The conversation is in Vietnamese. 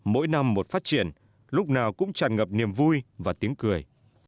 mỗi năm một phát triển lúc nào cũng tràn ngập niềm vui và tiếng cười